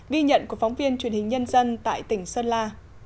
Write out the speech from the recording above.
ghi nhận của phóng viên truyền hình nhân dân tại tỉnh sơn la